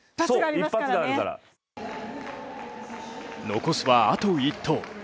残すは、あと１投。